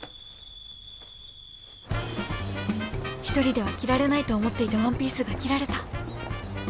［一人では着られないと思っていたワンピースが着られた］